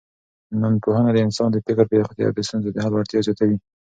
ننپوهنه د انسان د فکر پراختیا او د ستونزو د حل وړتیا زیاتوي.